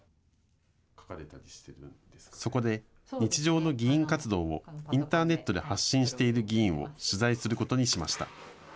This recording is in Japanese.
そこで日常の議員活動をインターネットで発信している議員を取材することにしました。